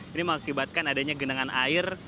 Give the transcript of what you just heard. ini mengakibatkan adanya genangan air